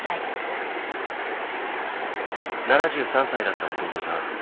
７３歳だった弟さん。